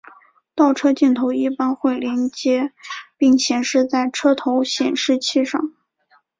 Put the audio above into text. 倒车镜头一般会连结并显示在车头显示器上。